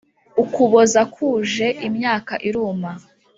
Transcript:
ukuboza kuje imyaka iruma